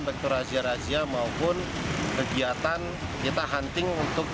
baik itu razia razia maupun kegiatan kita hunting untuk